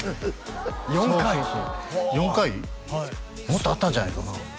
もっとあったんじゃないかな